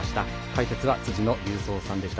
解説は辻野隆三さんでした。